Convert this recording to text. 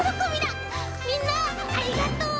みんなありがとう！